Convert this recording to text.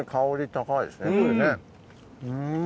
うん。